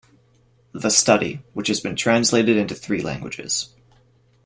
The study, which has been translated into three languages.